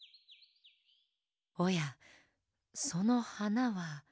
おやそのはなは。